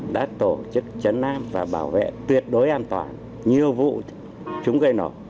đã tổ chức chấn áp và bảo vệ tuyệt đối an toàn nhiều vụ chúng gây nổ